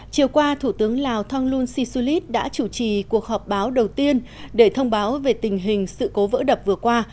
chiều qua thủ tướng lào thonglun sisulit đã chủ trì cuộc họp báo đầu tiên để thông báo về tình hình sự cố vỡ đập vừa qua